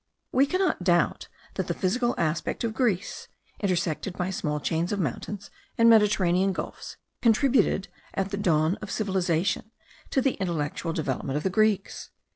We cannot doubt, that the physical aspect of Greece, intersected by small chains of mountains, and mediterranean gulfs, contributed, at the dawn of civilization, to the intellectual development of the Greeks.